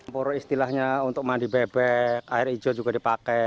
pur istilahnya untuk mandi bebek air hijau juga dipakai